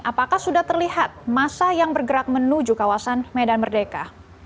apakah sudah terlihat masa yang bergerak menuju kawasan medan merdeka